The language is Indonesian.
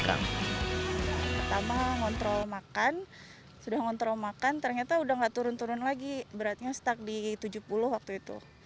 pertama ngontrol makan sudah ngontrol makan ternyata udah gak turun turun lagi beratnya stuck di tujuh puluh waktu itu